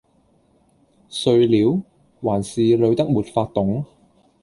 睡了？還是累得沒法動？